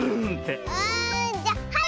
あじゃはい！